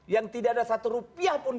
yang tidak ada satu rupiah pun